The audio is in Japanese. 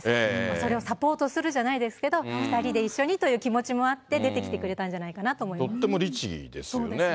それをサポートするじゃないですけど、２人で一緒にという気持ちもあって、出てきてくれたんじゃないかとっても律儀ですよね。